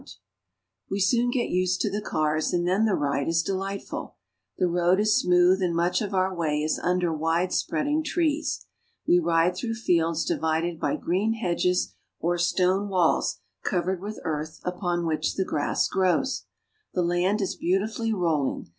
Jaunting Car. We soon get used to the cars and then the ride is de lightful. The road is smooth, and much of our way is under widespreading trees. We ride through fields di vided by green hedges or stone walls coverad with earth upon which the grass grows. The land is beautifully roll ing.